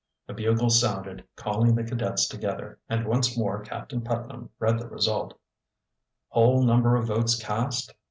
A bugle sounded, calling the cadets together, and once more Captain Putnam read the result: "Whole number of votes cast, 576.